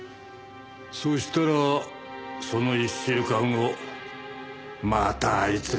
そしたらその１週間後またあいつが来やがって。